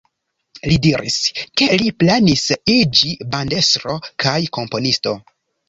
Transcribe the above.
Li diris, ke li planis iĝi bandestro kaj komponisto.